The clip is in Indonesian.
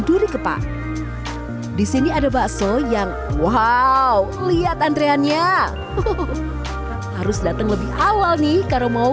duri kepa disini ada bakso yang wow lihat antreannya harus datang lebih awal nih kalau mau